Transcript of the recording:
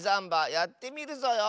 やってみるぞよ。